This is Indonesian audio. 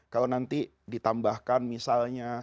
kalau nanti ditambahkan misalnya